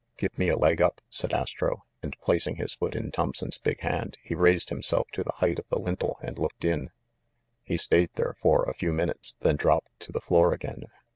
"Give me a leg up," said Astro, and, placing his foot in Thompson's big hand, he raised himself to the height of the lintel and looked in. He stayed there for a few minutes, then dropped to the floor again.